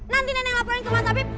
nanti neneng laporan ke mas afif